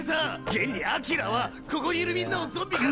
現にアキラはここにいるみんなをゾンビから。